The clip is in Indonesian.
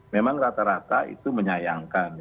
memang rata rata itu menyayangkan